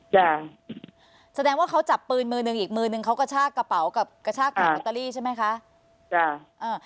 จ้ะแสดงว่าเขาจับปืนมือหนึ่งอีกมือนึงเขากระชากกระเป๋ากับกระชากขายลอตเตอรี่ใช่ไหมคะจ้ะอ่า